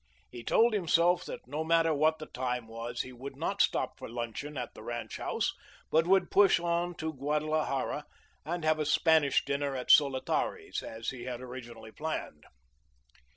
He told himself that, no matter what the time was, he would not stop for luncheon at the ranch house, but would push on to Guadalajara and have a Spanish dinner at Solotari's, as he had originally planned.